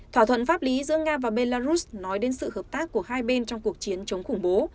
thỏa thuận pháp lý giữa nga và belarus nói đến sự hợp tác của hai bên trong cuộc chiến chống khủng bố